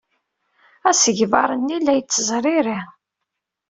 Asegbar-nni la yettezriri.